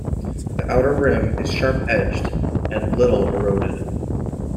The outer rim is sharp-edged and little eroded.